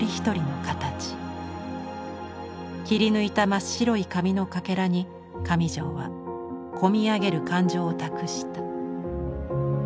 切り抜いた真っ白い紙のかけらに上條は込み上げる感情を託した。